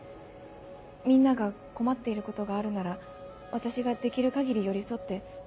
みんなが困っていることがあるなら私ができる限り寄り添ってそれで。